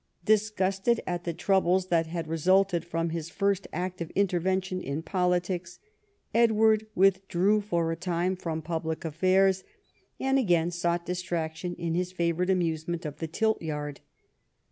Disgusted at the troubles that had resulted from his first active intervention in politics, Edward withdrew for a time from public affairs, and again sought distraction in his favourite amusement of the tiltyard.